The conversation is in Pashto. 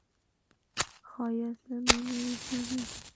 ښایست له مینې زېږي